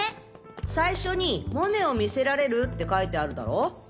最初にモネを見せられるって書いてあるだろ？